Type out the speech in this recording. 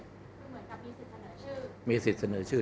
เหมือนกับมีสิทธิ์เสนอชื่อ